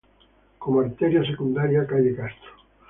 Como arteria secundaria: calle Castro.